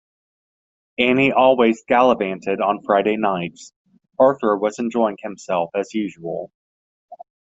Annie always “gallivanted” on Friday nights; Arthur was enjoying himself as usual.